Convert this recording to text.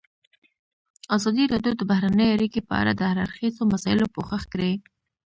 ازادي راډیو د بهرنۍ اړیکې په اړه د هر اړخیزو مسایلو پوښښ کړی.